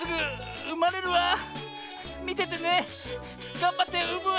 がんばってうむわ。